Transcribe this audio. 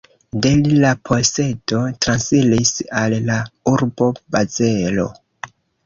De li la posedo transiris al la urbo Bazelo.